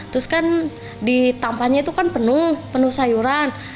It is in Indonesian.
terus kan di tampannya itu kan penuh penuh sayuran